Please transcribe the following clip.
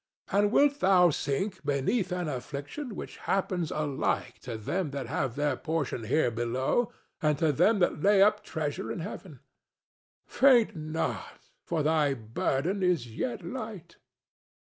And wilt thou sink beneath an affliction which happens alike to them that have their portion here below and to them that lay up treasure in heaven? Faint not, for thy burden is yet light."